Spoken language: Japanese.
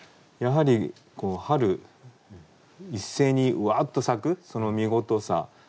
やはり春一斉にわっと咲くその見事さ。